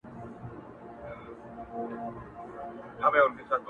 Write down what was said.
گراني په تا باندي چا كوډي كړي.